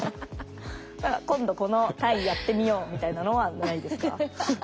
今度この体位やってみようみたいなのはないですか？